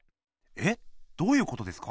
え⁉どういうことですか？